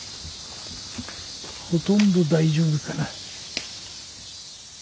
ほとんど大丈夫かな。